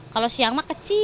kalau siang emang kecil